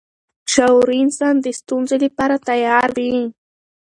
شعوري انسان د ستونزو لپاره تیار وي.